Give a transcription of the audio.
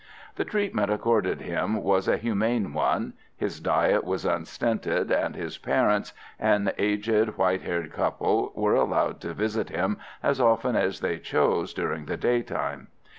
The treatment accorded him was a humane one; his diet was unstinted, and his parents, an aged, white haired couple, were allowed to visit him as often as they chose during the daytime.